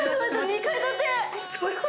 ２階建て。